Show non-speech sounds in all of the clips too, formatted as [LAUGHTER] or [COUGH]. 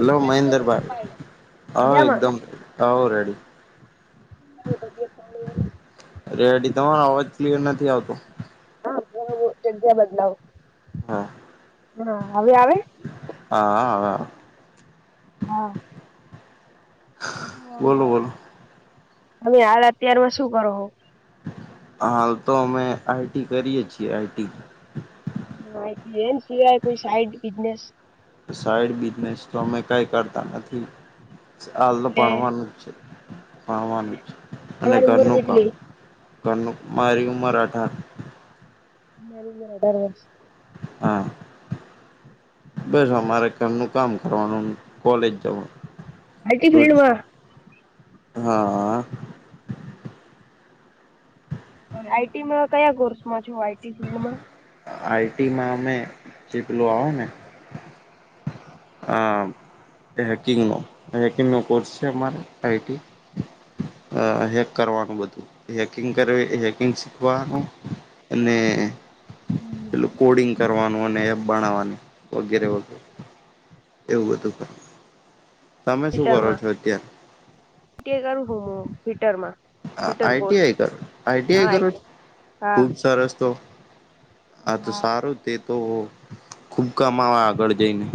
Hello, મહેન્દ્રભાઈ હા, મજામાં એકદમ હાઓ રેડી, તબિયત પાણી રેડી તમારો અવાજ ક્લિયર નથી આવતો. હા જગ્યા બદલાવ. હા હા, હવે આવે હા હા હા. બીજું આમ બોલો ભા બોલો હવે હાલ અત્યારમાં શું કરો. હાલ તો અમે આઈટી કરીએે છીએ આઈટી. હમ, આઇ ટી એમ એને સિવાય કોઈ સાઈડ બિઝનેસ. સાઈડ બિઝનેસ તો અમે કઈ કરતા નથી હાલ તો એટલે ભણવાનું જ છે. ખાવાનું અને તમારી ઉંમર ઘરનું કામ. કેટલી ઘરનું મારી ઉંમર અઢાર મારી પણ અઢાર વર્ષ હા, બસ અમારે કામનું કામ કરવાનું કોલેજ જવાનું. IT goods. ફિલ્ડમાં હા આ. હમ. આઈટીમાં કયા કોર્સમાં છો આઈટી ફિલ્ડમાં. આઈટીમાં અમે ચીપલો આવે ને. આ હેકિંગનો હેકિંગનો કોર્સ છે અમારે આઈટી અ હેક કરવાનું બધું હેકિંગ કર હેકિંગ શીખવાનું અને પેલું કોડિંગ કરવાનું અને એપ બણાવાની વગેરે -વગેરે. એવું બધું કર. તમે શું કરો ફીટરમાં છો અત્ય્યારે. કે કરું હોમ -હોમ હીટરમાં. હ, આઇ ટી આઇ કરો આઈટીઆઈ કરો, આઈટી આઈ હા ખૂબ સરસ તો. હા તો સારું તે તો ખુબ કામવા આગળ જઈને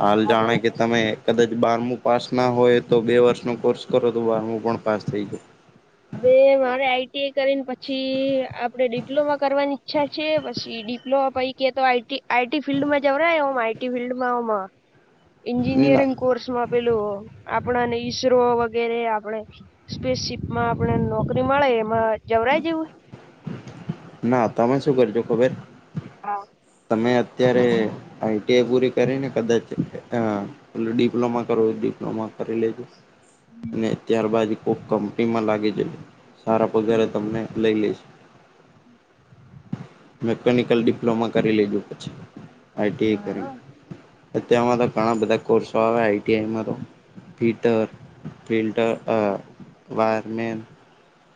હાલ હા બઉ જાણે કે તમે કદાચ બારમું પાસ ના હોય તો બે વર્ષનો કોર્સ કરો તો બારમું પણ પાસ થઈ જાય. હવે મારે આઈટીઆઈ કરીને પછી આપડે ડિપ્લોમા કરવાની ઈચ્છા છે પછી ડિપ્લોમા પૈકી તો આઈટી આઈટી ફિલ્ડમાં જવાય ઓમ આઈ ફિલ્ડમાંમાં ના એજિયરિંગ કોર્સમાં પેલું આપણાને ઈસરો વગેરે આપણે સ્પેસ માં આપણે નોકરી મળે એમાં જવરાય જેવું ના તમે શું કરજો ખબર હે હા. તમે અત્યારે આઈટીઆઈ પૂરી કરીને કદાચ અ એટલે ડિપ્લોમા કરવું ડિપ્લોમા કરી લેજું. અને ત્યારબાદ કોક કંપનીમાં લાગી જઉ સારા પગારે તમને લઈ લઈશ મેકેનિકલ ડિપ્લોમા કરી લેજો પછી આઈટીએ કરીને હા અતયાવ તો ઘણા બધા કોર્સો આવે આઈટી આઈ મા તો. પિટર ફિલ્ટર અ વાયરમેન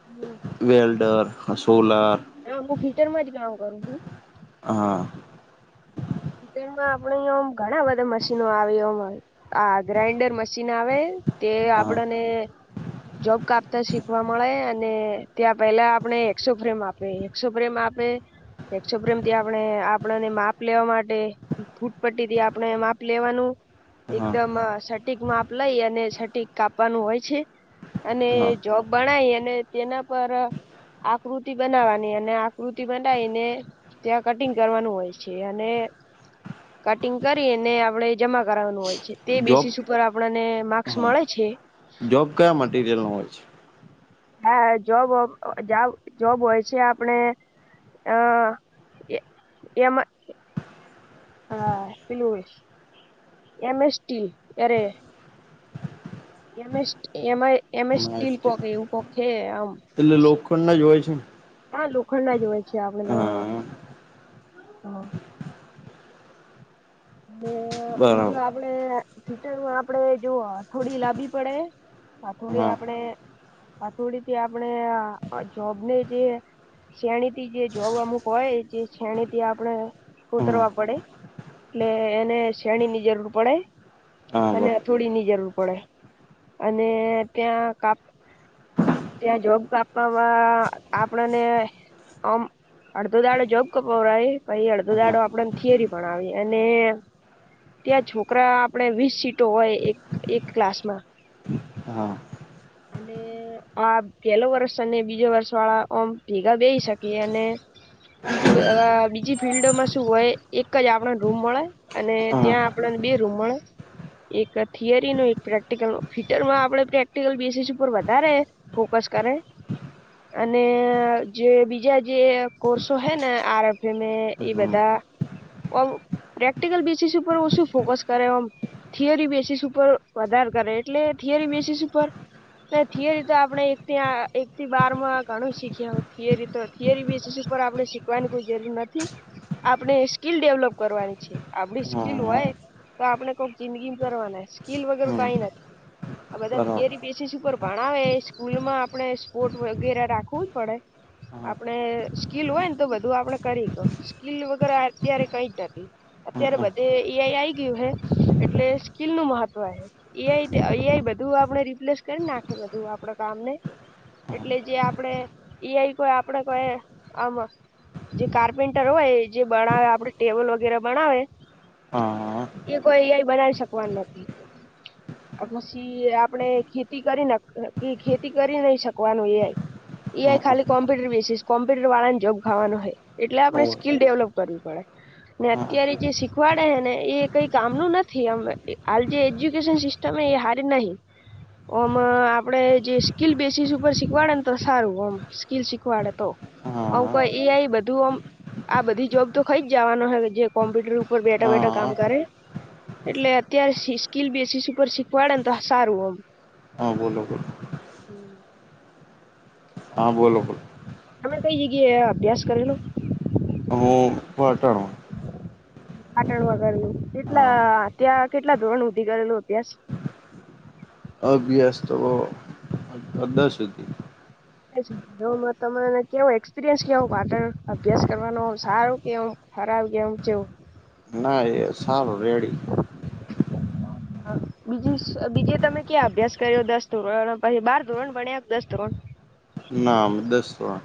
હમ. વેલ્ડર હ સોલાર. હા હુંક હીટર માંથી કામ કરું છું. હા. તેમા આપડા ઇયા ઓમ ઘણા બધા મશીનો આવી હોય. હા ગ્રાઇન્ડર મશીન આવે તે હા આપણને જોબ કાપતા શીખવા મળે અને ત્યાં પહેલા આપણે એકસો ફ્રેમ આપે એકસો ફ્રેમ આપે એકક્ષો પ્રેમથી આપણે આપણા ને માપ માપ લેવા માટે ફૂટ પટ્ટી થી આપણે માપ લેવાનું હા એકદમ ટિક માપ લઈ અને છટિક કાપવાનું હોય છે, અને હા જોબ ભણાય અને તેના પર આપ આકૃતિ બનાવવાની અને આકૃતિ બનાવીને ત્યાં કટિંગ કરવાનું હોય છે. છે અને કટિંગ કરીને આપડે જમા કરવાનું હોય છે, તે જોબ બેસીસ ઉપર આપણા ને માર્ક્સ હા મળે છે. જોબ કયા મટીરિયલનો હોય છે. હા જોબ- જોબ હોય છે, આપણે હ એ એમાં હા પેલુ હોય. એમ એસ્ટીલ એરે એમેસટ એમ અ એમ સ્ટીલ છે કોક એવું કોક હે આમ. એટલે લોખંડના જ હોય છે ને હા લોખંડના જ હોય છે, આપડે હા [INAUDIBLE] અને બરાબર બીજું આપડે સ્વીટર. આપડે જો આ થોડી લાંબી પડે થોડી હા આપણે હથોડીથી આપણે જોબને જે શેણી. થીજે જોબ અમુક હોય જે છેણીથી આપણે હા કોતરવા પડે. એટલે એને શેણીની જરૂર પડે હા અને બર હથોળી ની જરૂર પડે અને ત્યાં કાંપ. ત્યાં જોબ કાપવામાં આપણને આમ અડધો દાડો જોબ કપવડાએ પછી અડધો હા દાડો આપડેને થિયરી ભણાવે. અને ત્યાં છોકરા આપણે વીસ સીટો હોય એક એક ક્લાસમાં, હા [INAUDIBLE] અને [INAUDIBLE] આ પેલો વર્ષ અને બીજો વર્ષ વાળા આમ ભેગા બેઈ શકીએ અને બીજી- આ બીજી ફિલ્ડમાં શું હોય, એકજ આપડે રૂમ મળે. અને હા ત્યાં આપણને બે રૂમ મળે, એક થિયરીનો એક પ્રેક્ટિકલનો ફીટરમાં આપણે પ્રેક્ટિકલ બે સ. [UNINTELLIGIBLE] ઉપર વધારે ફોકસ કરે. અને જે બીજા જે કોસો ર્હેને આરભી મેં એ હમ બધા ઓમ પ્રેક્ટિકલ બેસીસ ઉપર ઓશું ફોકસ કરે ઓમ. થિયરી બેસીસ ઉપર વધારે કરે એટલે થિયરી બેસીસ ઉપર. ના થિયરીતો આપણે એક થી એકથી બાર માં ઘણું શીખ્યા થિયરીતો થિયરી બેસીસ ઉપર આપણે શીખી. શીખવાની કોઈ જરૂર નથી, આપણે સ્કીલ ડેવલપ કરવાની છે, આપડી સ્કીલ હા હોય. તો આપણે કોક જિંદગી કરવાના સ્કીલ વગર હમ કંઈ નથી આ બધાં. બરાબર બેસીસ ઉપર ભણાવે. સ્કૂલમાં આપણે સ્પોર્ટ વગેરે રાખવું પડે. હા આપણે સ્કીલ હોય નેતો બધું આપડે કરીતો સ્કીલ વગેરે અત્યારે કંઈ જ નથી. અત્યારે હા બધે એ, આઈ, આઈ ગયું હે એટલે સ્કીલનું મહત્વ હે. એ. આઈ એ. આઈએ બધું આપડે રિપ્લેસ કરીને નાખે બધું આપડે કામને એટલે જે આપડે એ. આઈ કોઈ આપડે કોઈ આમ. જે કાર્પેન્ટર હોય જે બનાવે આપડે ટેબલ વગેરે બણાવે. હા એ કોઈ એ આઈ બનાવી શકવાનું નથી. અને પછી આપ આપણે ખેતી કરીન ઈ ખેતી નહીં શકવાનું. એ. આઈ. એ. આઈ. હા ખાલી કમ્પ્યુટર બેસીસ કોમ્પ્યુટર વાળાને જોબ ખાવાનું હોય. એટલે આપણે ઓર સ્કીલ ડેવલોપ કરવી પડે. ને હા અત્યારે જે શીખવાડે હેને એ કાંઈ કામનું નથી. આમ હાલ જે એજ્યુકેશન સિસ્ટમ તમે એ હારી નહી. ઓમ આપડે જે સ્કીલ બેસીસ ઉપર શીખવાડેને તો સારું આમ સ્કીલ શીખવાડે તો હવે હા કોઈ એ. આઈ બધું ઓમ. આ બધી જોબ તો ખઈ જ જવાનો હે જે કોમ્પ્યુટર ઉપર બેઠા બેઠા કામ હા કરે એટલે અત્યારે સીસ્કીલ બેસીસી ઉપર શીખવાડે ને તો સારું અમ. હા બોલો બોલો. [INAUDIBLE] હા બોલો બોલો તમે કઈ જગ્યાએ અભ્યાસ કરેલો. પાટણ. પાટણ મા કરેલો કેટલા હા ત્યાં કેટલા ધોરણ સુધી કરેલો અભ્યાસ. અભ્યાસ તો દસ સુધી. [UNINTELLIGIBLE] તો કેવો તમને એક્સપિરયન્સ કેવો પાટણ અભ્યાસ કરવાનનો સારું કેવું? [UNINTELLIGIBLE] ના એ સારો રેડી. [INAUDIBLE] હ બીજે તમે ક્યાં અભ્યાસ કર્યો દસ ધોરણ પછી બાર ધોરણ ભણ્યા કે દસ ધોરણ ના અમ દસ ધોરણ.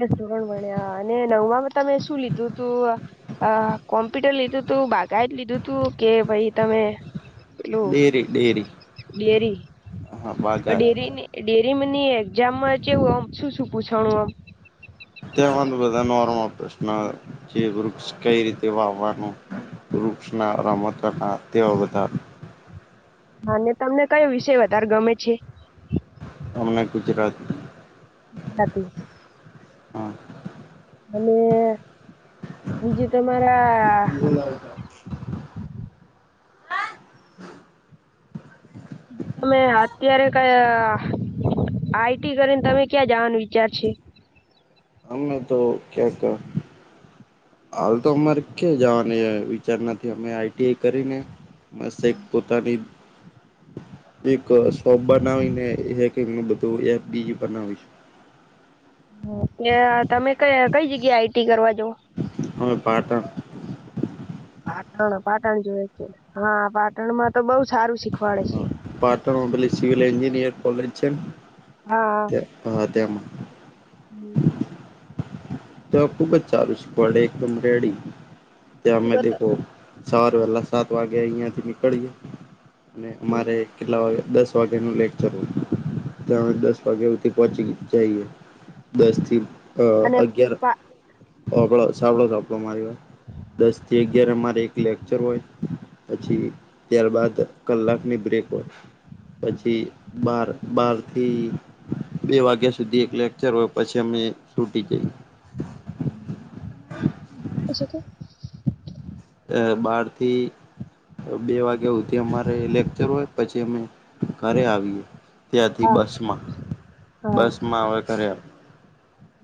દસ ધોરણ ભણ્યા અને નવમાં તમે શું લીધું તું? અ કોમ્પ્યુટર લીધું તું બાગાયત લીધુ કે પહી તમે પેલું ડેરી- ડેરી. ડેરી- હા બાગાર ડેરી ની એ ડેરી મની એક્ઝામ માં જેવું અમ શું -શું પૂછાનું આમ. તેમાં બધા નોર્મ પ્રશ્ન જે વૃક્ષ કઈ રીતે વાવવાનું. વૃક્ષ માં રમતો ના તેવા બધા. અને તમને કયો વિષય વધાર ગમે છે. અમને ગુજરાતી [UNINTELLIGIBLE] હા. અને બીજું તમારા બીજું તમે અત્યારે કયા આઈ ટી કરીને તમે ક્યાં જવાનું વિચાર છે. અમે તો એ તો હાલ તો અમારે ક્યા જવાની વિચાર નથી અમે આઈ ટી કરીને. મસ્ત એક પોતાની એક શોપ બનાવીને એક -એકનું બધું એ બીયું બનાવીશું. કે તમે ક કઈ જગ્યા આઈ ટી કરવા જવ. અમે પાટણ. પાટણ- પાટણ જોવે છે. હા, પાટણ માં તો બઉ સારું શીખવાડે છે. હા પાટણમાં પેલી સિવલ એન્જિર કોલેજ છે ન. હા આ. ત્યાં હા તેમાં. હમ્મ. તો ખુબ જ સારું છે પડે એકમરેેડી ત્યાં અમે દેખો સવારે વહેલા સાત વાગે અહીયા થી નીકળીએ, અને અમારે કેટલા વાગે દસ વાગ્યા નું લેક્ચર હોય ત્યાં દસ વાગ્યા સુધી પોચી [UNINTELLIGIBLE] જઈએ દસ થી અ અને અગિયાર પા ઓ સાભળો [UNINTELLIGIBLE] આપવામાં આયવા દસ થી અગયાર મારે એક લેક્ચર હોય પછી ત્યારબાદ કલાકની બ્રેક હોય. પછી બાર બારથી બે વાગ્યા સુધી એક લેક્ચર હોય પછી અમે છૂટી જઈએ. [INAUDIBLE] જણાવી શકો. અ બહારથી બે વાગ્યા સુધી અમારે લેકચર હોય પછી અમે ઘરે આવીએ. ત્યાંથી હા બસમાં- બસમાં હવે ઘરે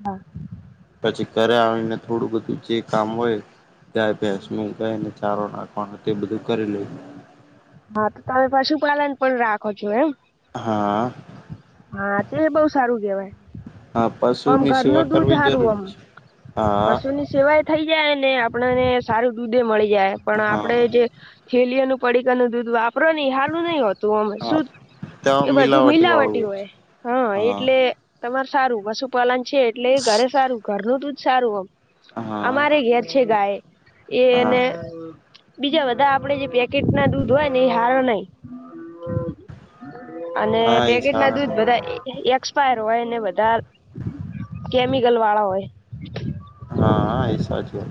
ના પછી ઘરે આવીને થોડું બધું જે કામ હોય હસમુરહ ચારો નાખવાનો તે બધું કરી લેહું. હા, તો તમે પશુપાલન પણ રાખો છો એમ. હા. હા, તે બહુ સારું કહેવાય. હા આમ પશુની સેવા ઘરનું દૂધ કરવી હારુ. જરૂરી આમ છે હા પશુની સેવાય થઈ જાય ને આપણને સારું દૂધે મળી જાય પણ હા આપડે જે થેલીઓનું પડીકાનું દૂધ વાપરો ને હાલું નહિ હોતું ઓમ હા સુધ ત્યાં એ બધું મિલાવટી મિલાવટ વાળું થતી છે હોય. હા, એટલે તમાર સારું પશુપાલન છે એટલે ઘરે સારું ઘરનું દૂધ સારું હા મારે ઘેર છે ગાય હા એને બીજા બધા આપડે જે પેકેટના દૂધ હોય ને એ હારા નય અને હા એ પેકેટના સારા ને દૂધ બધા એક્સપાયર હોય ને વધાર કેમિકલ વાળા હોય હા હા એ સાચું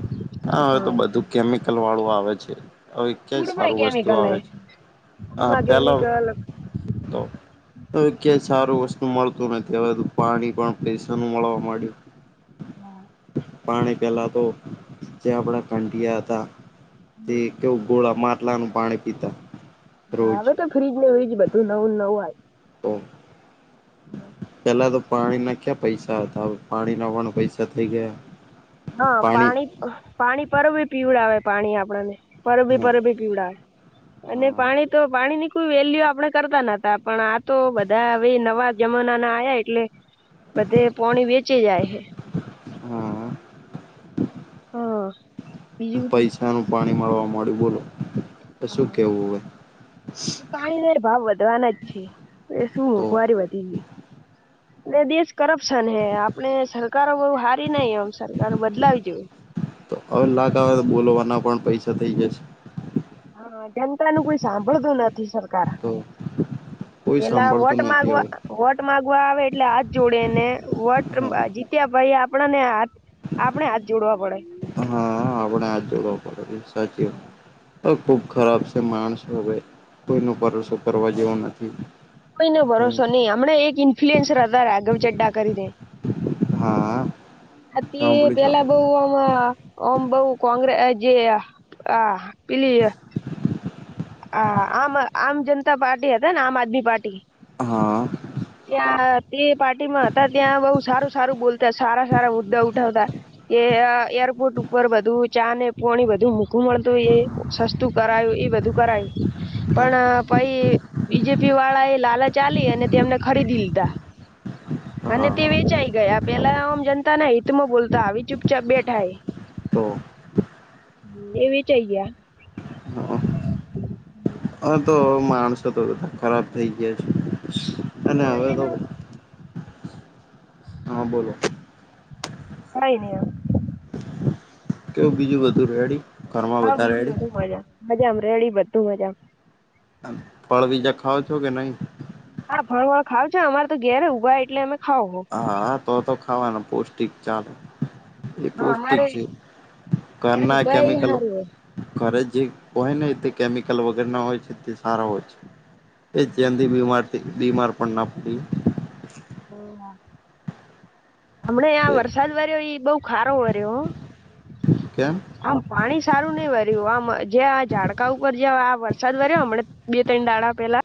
હા હવે તો બધું કેમિકલ વાળું આવે છે. હવે કય ફૂડમાં સારું વસ્તુ કેમિકલ હે. આવે છે આ ફૂડમાં પેહેલા કેમિકલ તો હવે ક્યાંય સારું વસ્તુ મળતું નથી હવે તો પાણી પણ પૈસા નું મળવા માંડ્યું. હા પાણી પહેલાં તો જે આપણા ઘંટિયા હતા તે કેવુ ગોળા માટલાનું પાણી પીતા. હા રોજ હવે તો ફ્રીજ ને [UNINTELLIGIBLE] બધું નવું નવું આયુ. [INAUDIBLE] [INAUDIBLE] પેલા તો પાણી ના ક્યાં પૈસા હતા હવે તો પાણી ના પણ પૈસા થઈ ગયા. હા પાણી પાણી પરબે પીવડાવે પાણી આપડને પરબે હા પરબે પીવડાવે અને પાણી તો પાણી ની કોઈ વેલ્યુ આપણે કરતા નતા પણ આ તો બધા હવે નવા જમાના ના આયા એટલે બધે પોણી વેચાય જાય હે હા હા બીજું પૈસાનું પાણી મળવા માંડ્યું બોલો તો શું કેવું હવે પાણીને ભાવ વધવાના જ છે એ શું તો મોંઘવારી વધી ગઈ એટલે દેશ કરપ્શન હે આપણે સરકારો બહુ હારી નાઈ એમ સરકારો બદલાવી જોએ. તો હવે લાગ આવે તો બોલવાના પણ પૈસા થઈ જશે. હા જનતા નું કોઈ સાંભળતું નથી સર કાર તો કોઈ પેલા વોટ સાંભળતું નથી માગવા હવે વોટ માંગવા આવે એટલે હાથ જોડે ને વોટ હા જીત્યા પહિ આપડ ને હાથ આપણે હાથ જોડવા પડે હા આપડે હાથ જોડવા પડે સાચી ખુબ ખરાબ છે માણસો હવે કોઈનો ભરોસો કરવા જેવો નથી. કોઈનો ભરોસો નહી હમણા એક ઇન્ફ્લુઅન્સર હતા રાઘવ ચડ્ડા કરીને હા [UNINTELLIGIBLE] સાંભળી પેલા બો સાંભળી હો ઓમ બો કોંગ્રે જે આ પેલી હા આમ આમ જનતા પાર્ટી હતા ને આમ આદમી પાર્ટી હા ત્યાં તે પાર્ટી માં હતા ત્યાં બહુ સારું સારું બોલતા સારા સારા મુદ્દા ઉઠાવતા એ એરપોર્ટ ઉપર બધું ચા ને પોણી બધું મોંઘું મળતું એ સસ્તું કરાયું બધું કરાય પણ હા પહિ બીજેપી વાળા એ લાલચ આલી અને તેમને ખરીદી લીધા. અને તે હા. વેચાઈ ગયા પહેલા ઓમ જનતાના હિત માં બોલતા હવે ચુપચાપ બેઠાય તો એ વેચાઈ ગયા હવે તો, માણસો તો બધા ખરાબ થઈ ગયા છે. અને હવે તો! હા, બોલો. કંય, નય હવે, કેવું, બીજું બધું રેડી? ઘરમાં હા, બધા બીજું રેડી બધુ મજા, મજા રેડી બધું મજા. ફળ, બીજા ખાઓ છો કે નહી? હા, ફળ વળ ખાવ છે. અમારે તો ઘેરે ઉભા એટલે અમે ખાવ હો. હા, હા, તો તો ખાવાનું, પૌષ્ટિક ચાલે- એ, પૌષ્ટિક અમારે છે. ઘર ત્યારે ના ઉભા એ કેમિકલો- હારું હે ઘરે જે હોય ને, તે કેમિકલ વગર ના હોય છે. તે સારા હોય છે. એ, જલદી બીમારથી બીમાર પણ ના પડીએ. હમ્મ, હમણે આ વરસાદ- વર્યો ઈ, બહુ ખારો વર્યો હો! કેમ? આમ, પાણી સારું નઈ વર્યું, આમ જ્યાં ઝાડકા ઉપર જ્યાં, આ વરસાદ વર્યો હમણાં- બે ત્રૈણ દાડા પેલા-